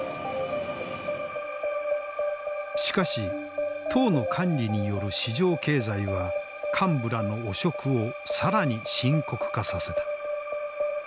しかし党の管理による市場経済は幹部らの汚職を更に深刻化させた。